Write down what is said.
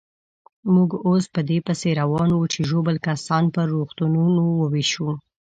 موږ اوس په دې پسې روان وو چې ژوبل کسان پر روغتونو وېشو.